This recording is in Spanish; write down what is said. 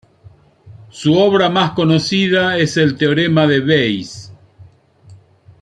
Su obra más conocida es el Teorema de Bayes.